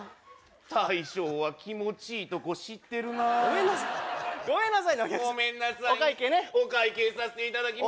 大将は気持ちいいとこ知ってるなあごめんなさいねお客さんごめんなさいお会計させていただきます